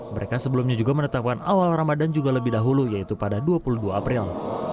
mereka sebelumnya juga menetapkan awal ramadan juga lebih dahulu yaitu pada dua puluh dua april